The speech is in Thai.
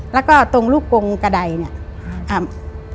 แล้วก็ตรงลูกกงกระไดเนี่ย